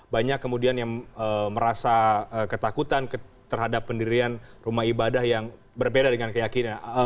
banyak kemudian yang merasa ketakutan terhadap pendirian rumah ibadah yang berbeda dengan keyakinan